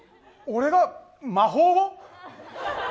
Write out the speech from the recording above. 俺が魔法を。